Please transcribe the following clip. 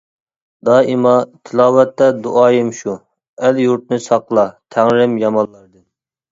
دائىما، تىلاۋەتتە دۇئايىم شۇ: ‹ئەل-يۇرتنى ساقلا تەڭرىم يامانلاردىن› .